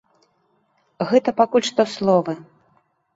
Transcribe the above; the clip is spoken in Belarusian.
Гэта пакуль што словы.